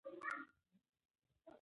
انټرنیټ د نړۍ پوهه موږ ته راوړي.